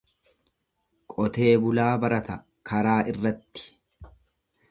Qotee bulaa barata karaa irratti.